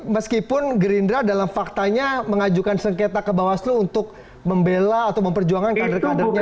meskipun gerindra dalam faktanya mengajukan sengketa ke bawaslu untuk membela atau memperjuangkan kader kadernya